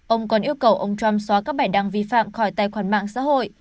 ông còn yêu cầu ông trump xóa các bài đăng vi phạm khỏi tài khoản mạng xã hội